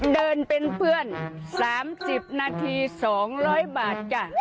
เดินเป็นเพื่อน๓๐นาที๒๐๐บาทจ้ะ